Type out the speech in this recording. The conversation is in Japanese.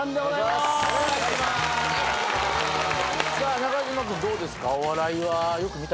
中島君どうですか？